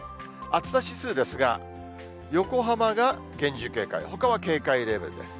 暑さ指数ですが、横浜が厳重警戒、ほかは警戒レベルです。